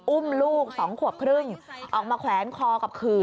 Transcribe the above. อุ้มลูก๒ขวบครึ่งออกมาแขวนคอกับขื่อ